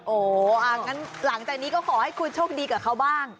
โอ้โหงั้นหลังจากนี้ก็ขอให้คุณโชคดีกับเขาบ้าง